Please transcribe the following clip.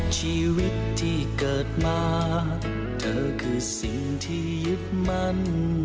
ชีวิตที่เกิดมาเธอคือสิ่งที่ยึดมั่น